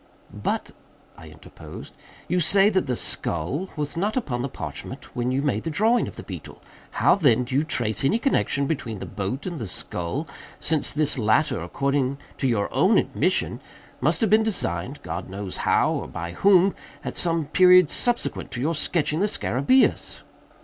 "But," I interposed, "you say that the skull was not upon the parchment when you made the drawing of the beetle. How then do you trace any connexion between the boat and the skull—since this latter, according to your own admission, must have been designed (God only knows how or by whom) at some period subsequent to your sketching the _scarabæus?